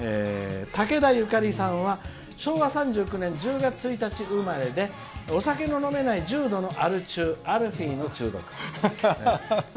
たけだゆかりさんは「昭和３９年１０月１日生まれでお酒の飲めない重度のアル中ＡＬＦＥＥの中毒。